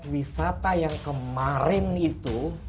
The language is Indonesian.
wisata yang kemarin itu